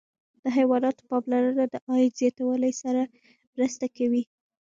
د حیواناتو پاملرنه د عاید زیاتوالي سره مرسته کوي.